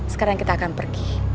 sekarang kita akan pergi